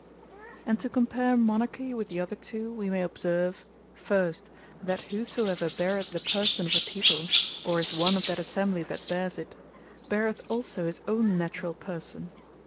And to compare Monarchy with the other two, we may observe; First, that whosoever beareth the Person of the people, or is one of that Assembly that bears it, beareth also his own naturall Person.